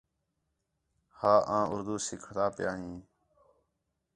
ہا آں اُردو سِکھنا پِیا ہیں